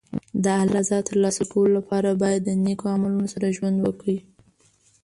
د الله رضا ترلاسه کولو لپاره باید د نېک عملونو سره ژوند وکړي.